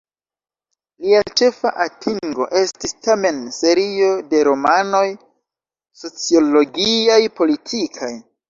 Lia ĉefa atingo estis tamen serio de romanoj sociologiaj-politikaj.